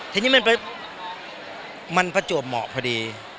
ทีนี้มันประจวบเหมาะพอดี